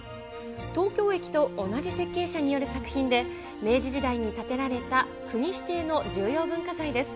東京駅と同じ設計者による作品で、明治時代に建てられた国指定の重要文化財です。